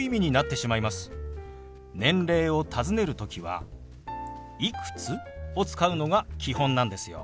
年齢をたずねる時は「いくつ？」を使うのが基本なんですよ。